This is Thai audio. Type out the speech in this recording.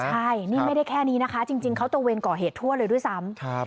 ใช่นี่ไม่ได้แค่นี้นะคะจริงเขาตะเวนก่อเหตุทั่วเลยด้วยซ้ำ